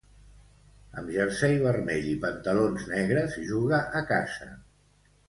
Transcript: Amb jersei vermell i pantalons negres juga a casa.